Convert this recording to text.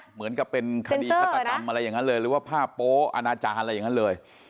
เหมือนกับเป็นคดีคตตรรรรมหรือว่าภาพโพอนาจารย์อะไรอย่างนั้นเลย